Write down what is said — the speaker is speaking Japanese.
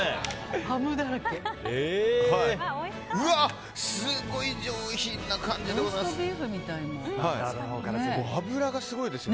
うわすごい上品な感じでございます。